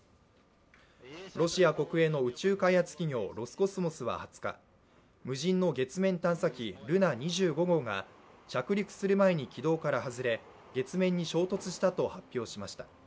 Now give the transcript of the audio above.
ロシア国営の宇宙開発企業ロスコスモスは２０日、無人の月面探査機ルナ２５号が着陸する前に軌道から外れ、月面に衝突したと発表しました。